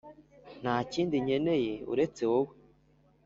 nta kindi nkeneye uretse wowe